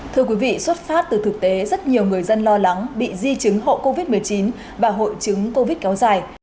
thưa quý vị xuất phát từ thực tế rất nhiều người dân lo lắng bị di chứng hộ covid một mươi chín và hội chứng covid kéo dài